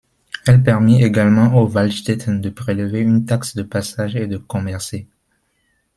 Elle permit également aux Waldstätten de prélever une taxe de passage et de commercer.